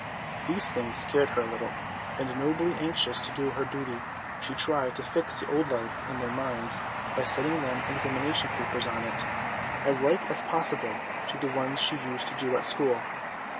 These things scared her a little, and nobly anxious to do her duty, she tried to fix the old life in their minds by setting them examination papers on it, as like as possible to the ones she used to do at school.